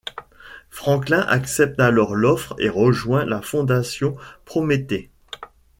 Franklin accepte alors l'offre et rejoint la fondation Prométhée.